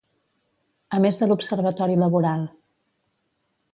A més de l'Observatori Laboral.